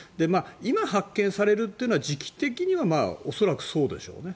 今、発見されるというのは時期的には恐らくそうでしょうね。